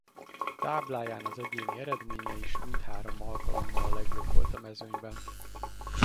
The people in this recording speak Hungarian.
Tábláján az egyéni eredménye is mindhárom alkalommal a legjobb volt a mezőnyben.